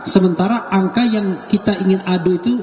sementara angka yang kita ingin adu itu